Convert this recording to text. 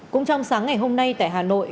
cũng trong sáng ngày hôm nay tại hà nội